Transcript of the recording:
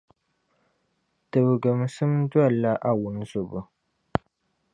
Tibiginsim dolila a wunzobo.